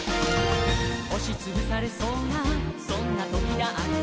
「おしつぶされそうなそんなときだって」